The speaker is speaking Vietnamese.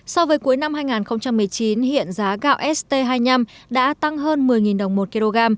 so với cuối năm hai nghìn một mươi chín hiện giá gạo st hai mươi năm đã tăng hơn một mươi đồng một kg